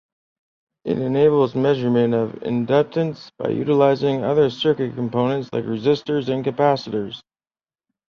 It enables measurement of inductance by utilizing other circuit components like resistors and capacitors.